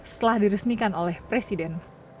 setelah diresmikan oleh presiden